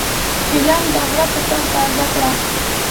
چیلم د غرۀ پۀ سر تازه کړه.